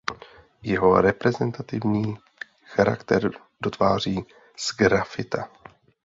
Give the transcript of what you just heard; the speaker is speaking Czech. Jeho reprezentativní charakter dotváří sgrafita.